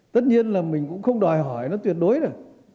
tất nhiên là mình cũng không đòi hỏi nó tuyệt đối được